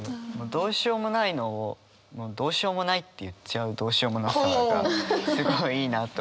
どうしようもないのをもうどうしようもないって言っちゃうどうしようもなさがすごいいいなと思いましたね。